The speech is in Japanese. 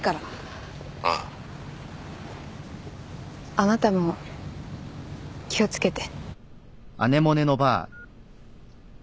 あなたも気を付けて。